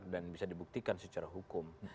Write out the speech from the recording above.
dan bisa dibuktikan secara hukum